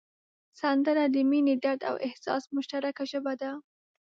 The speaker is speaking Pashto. سندره د مینې، درد او احساس مشترکه ژبه ده